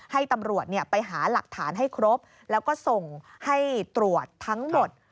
ให้ตำรวจไปหาหลักฐานให้ครบแล้วก็ส่งให้ตรวจทั้งหมด